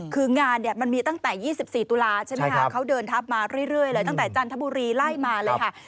คืองานมีตั้งแต่๒๔ตุลาทเขาเดินทัพมาเรื่อยตั้งแต่จันทบุรีไล่มาเลย